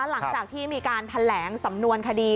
หลังจากที่มีการแถลงสำนวนคดี